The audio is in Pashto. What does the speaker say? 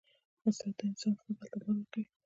استاد د انسان فکر ته بال ورکوي.